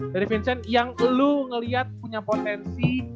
dari vincent yang lo ngeliat punya potensi